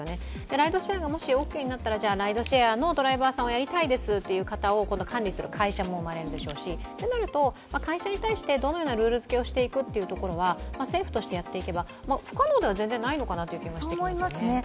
ライドシェアがもしオーケーになったらライドシェアのドライバーさんをやりたいですっていう人を今度管理する会社も生まれるでしょうし、となると、会社に対してどのようなルールづけをするかというのも政府としてやっていけば、不可能では全然ないのかなという気がしてきますよね。